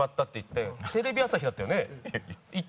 テレビ朝日だったよね？